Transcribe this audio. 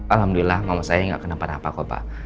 alhamdulillah mama saya gak kena parah apa apa ko pak